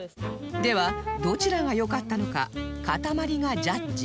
ではどちらがよかったのかかたまりがジャッジ